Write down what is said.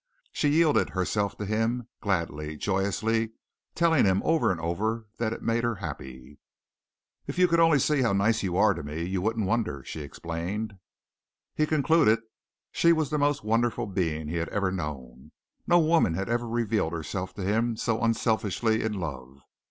She yielded herself to him gladly, joyously, telling him over and over that it made her happy. "If you could only see how nice you are to me you wouldn't wonder," she explained. He concluded she was the most wonderful being he had ever known. No woman had ever revealed herself to him so unselfishly in love.